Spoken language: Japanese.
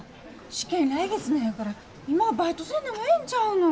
試験来月なんやから今はバイトせんでもええんちゃうの。